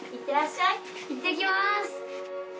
いってきます